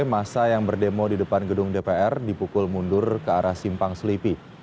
masa yang berdemo di depan gedung dpr dipukul mundur ke arah simpang selipi